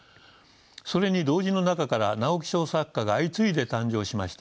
それに同人の中から直木賞作家が相次いで誕生しました。